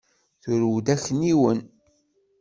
Turew-d akniwen.